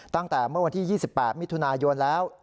ตั้งแต่เมื่อวันที่๒๘มิถุนายนแล้ว